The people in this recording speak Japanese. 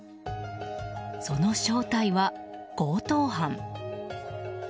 その正体は強盗犯。